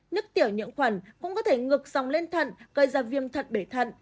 nước tiểu nhiễm khuẩn cũng có thể ngược dòng lên thận gây ra viêm thật bể thận